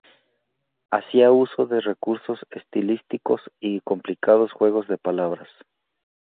Hacía uso de recursos estilísticos y complicados juegos de palabras.